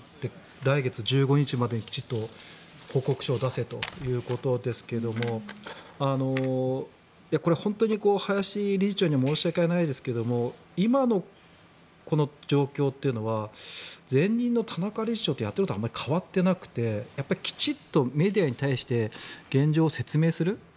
来月１５日までにきちんと報告書を出せということですがこれ、本当に林理事長に申し訳ないですけど今のこの状況というのは前任の田中理事長とやっていることあまり変わってなくてきちんとメディアに対して現状を説明する。